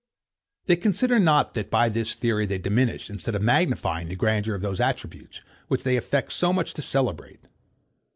They consider not that, by this theory, they diminish, instead of magnifying, the grandeur of those attributes, which they affect so much to celebrate.